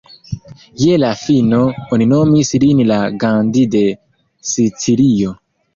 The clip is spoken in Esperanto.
Je la fino, oni nomis lin la "Gandhi de Sicilio".